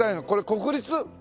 国立？